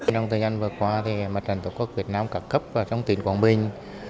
trong thời gian vừa qua mặt trận tổ quốc việt nam cả cấp và trong tỉnh quảng bình